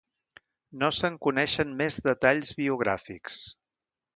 No se'n coneixen més detalls biogràfics.